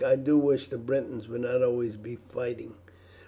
I do wish the Britons would not be always fighting."